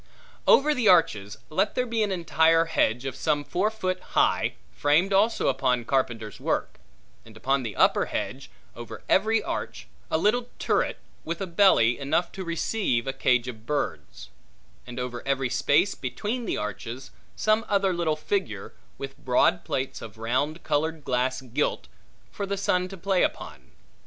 Over the arches let there be an entire hedge of some four foot high, framed also upon carpenter's work; and upon the upper hedge, over every arch, a little turret, with a belly, enough to receive a cage of birds: and over every space between the arches some other little figure, with broad plates of round colored glass gilt, for the sun to play upon.